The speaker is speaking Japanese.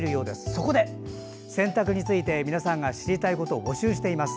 そこで、洗濯について皆さんが知りたいことを募集しています。